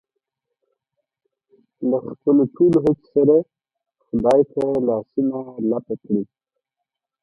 له خپلو ټولو هڅو سره خدای ته لاسونه لپه کړي.